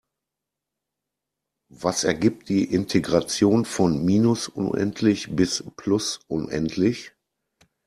Was ergibt die Integration von minus unendlich bis plus unendlich?